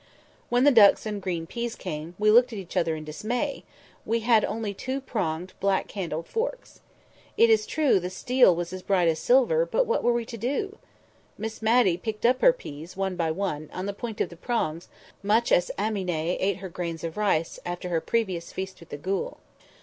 When the ducks and green peas came, we looked at each other in dismay; we had only two pronged, black handled forks. It is true the steel was as bright as silver; but what were we to do? Miss Matty picked up her peas, one by one, on the point of the prongs, much as Aminé ate her grains of rice after her previous feast with the Ghoul.